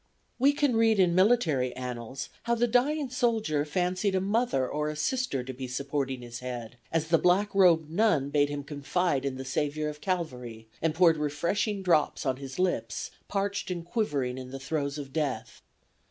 "We can read in military annals how the dying soldier fancied a mother or a sister to be supporting his head as the black robed nun bade him confide in the Saviour of Calvary, and poured refreshing drops on his lips parched and quivering in the throes of death.